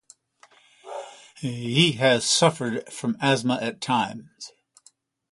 He has suffered from asthma at times.